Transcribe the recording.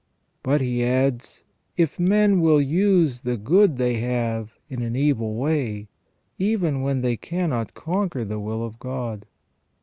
But," he adds, " if men will use the good they have in an evil way, even then they cannot conquer the will of God.